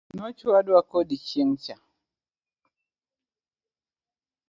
Nochwadwa kodi chieng cha.